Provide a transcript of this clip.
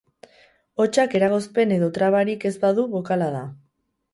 Hotsak eragozpen edo trabarik ez badu bokala da.